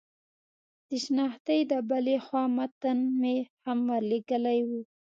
د شنختې د بلې خوا متن مې هم ور لېږلی و.